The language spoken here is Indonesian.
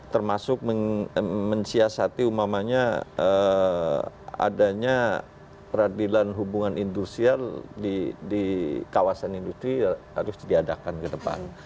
termasuk mensiasati umpamanya adanya peradilan hubungan industrial di kawasan industri harus diadakan ke depan